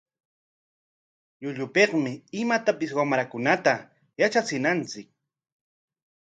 Llullupikmi imatapis wamrakunata yatrachinanchik.